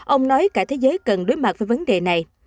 ông nói cả thế giới cần đối mặt với vấn đề này